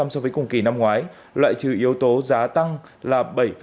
so với cùng kỳ năm ngoái loại trừ yếu tố giá tăng là bảy tám